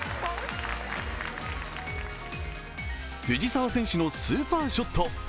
藤澤選手のスーパーショット。